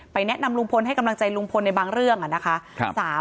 แนะนำลุงพลให้กำลังใจลุงพลในบางเรื่องนะคะ